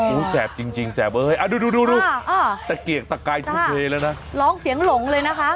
อู้วแซบจริงแซบเอ้ยดูตะเกียร์ตะไกลทุกเคเลยนะร้องเสียงหลงเลยนะคะ